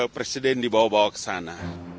presiden dibawa bawa ke sana